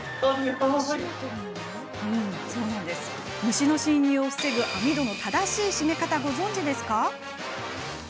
虫の侵入を防ぐ網戸の正しい閉め方ご存じですか。